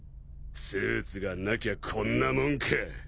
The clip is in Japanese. スーツがなきゃこんなもんか。